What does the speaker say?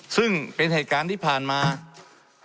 ซึ่งเป็นไหการที่ผ่านมากกว่าว่า